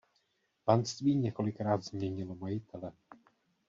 Panství několikrát změnilo majitele.